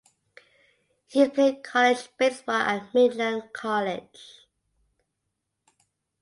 He played college baseball at Midland College.